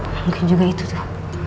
mungkin juga itu tuh